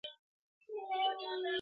ځمکه د افغانستان د طبیعي زیرمو برخه ده.